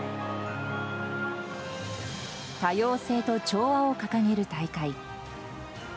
多様性と調和を掲げる大会。